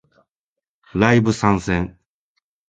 ライブ参戦